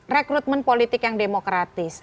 rekrutmen politik yang demokratis